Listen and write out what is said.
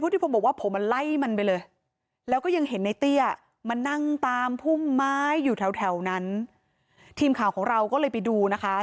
ทุ่มไม้อยู่แถวนั้นทีมข่าวของเราก็เลยไปดูนะคะ